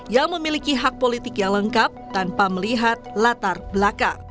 yang memiliki hak politik yang lengkap tanpa melihat latar belakang